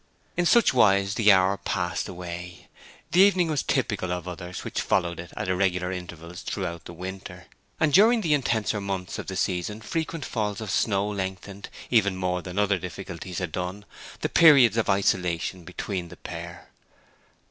In such wise the hour passed away. The evening was typical of others which followed it at irregular intervals through the winter. And during the intenser months of the season frequent falls of snow lengthened, even more than other difficulties had done, the periods of isolation between the pair.